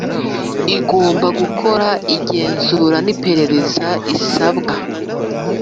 Igomba gukora igenzura n’iperereza isabwa